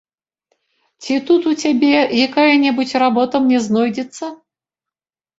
Ці тут у цябе якая-небудзь работа мне знойдзецца?